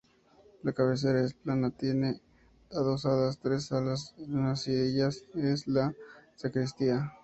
La cabecera es plana y tiene adosadas tres salas, una de ellas, la sacristía.